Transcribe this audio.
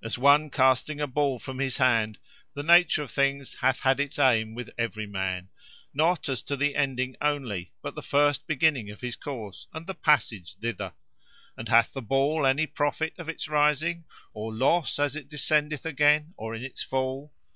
"As one casting a ball from his hand, the nature of things hath had its aim with every man, not as to the ending only, but the first beginning of his course, and passage thither. And hath the ball any profit of its rising, or loss as it descendeth again, or in its fall?